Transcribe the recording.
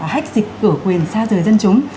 hách dịch cửa quyền xa rời dân chúng